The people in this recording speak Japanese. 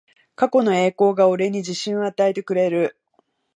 過去の栄光が俺に自信を与えてくれる